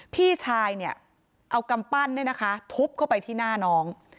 พี่ชายเนี่ยเอากำปั้นทุบเข้าไปที่หน้าน้อง